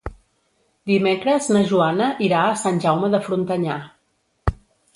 Dimecres na Joana irà a Sant Jaume de Frontanyà.